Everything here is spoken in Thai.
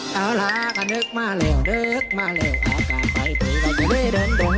ขาลากันลูกมาเลี่ยลลูกมาเลี่ยลอาหารไสคืนความเกลือในโดน